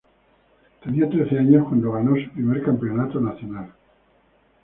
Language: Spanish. Tenía trece años cuando ganó su primer campeonato nacional.